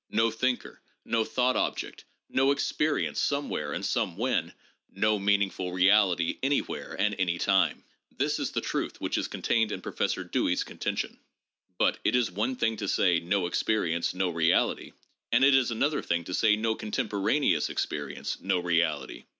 No thinker, no thought object ; no ex perience somewhere and somewhen, no meaningful reality any where and anytime. This is the truth which is contained in Professor Dewey's contention. But it is one thing to say, No experience ; no reality, and it is another thing to say, No contemporaneous experience, no reality.